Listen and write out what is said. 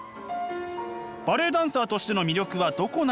バレエダンサーとしての魅力はどこなのか？